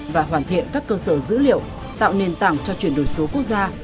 và hoàn thiện các cơ sở dữ liệu tạo nền tảng cho chuyển đổi số quốc gia